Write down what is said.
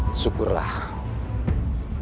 gusti prabu jakatwanglah yang berhak